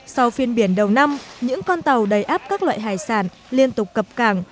sau phiên biển đầu năm những con tàu đầy áp các loại hải sản liên tục cập cảng